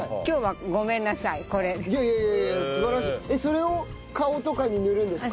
それを顔とかに塗るんですか？